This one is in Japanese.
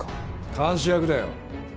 監視役だよ。